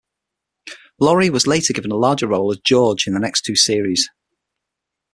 Laurie was later given a larger role as George in the next two series.